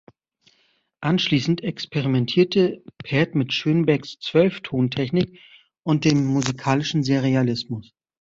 Anschließend experimentierte Pärt mit Schönbergs Zwölftontechnik und dem musikalischen Serialismus.